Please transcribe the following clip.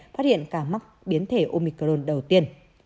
phát hiện ca mắc biến thể omicron đầu tiên